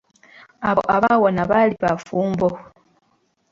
Abo abaawona bali bafumbo.